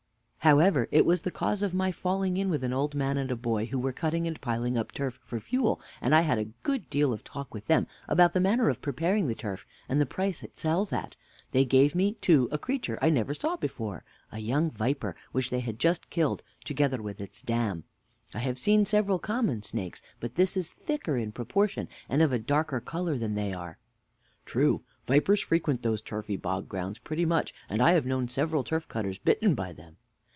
However, it was the cause of my falling in with an old man and a boy who were cutting and piling up turf for fuel, and I had a good deal of talk with them about the manner of preparing the turf, and the price it sells at. They gave me, too, a creature I never saw before a young viper, which they had just killed, together with its dam. I have seen several common snakes, but this is thicker in proportion, and of a darker color than they are. Mr. A. True. Vipers frequent those turfy, boggy grounds pretty much, and I have known several turf cutters bitten by them.